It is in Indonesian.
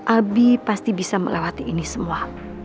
abi pasti bisa melewati ini semua